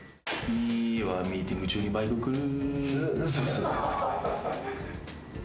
「ミはミーティング中にバイク来る」